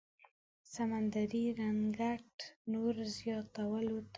سمندري رنګت نور زياتولو ته